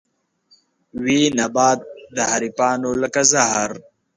وي نبات د حريفانو لکه زهر